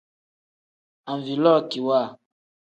Anvilookiwa.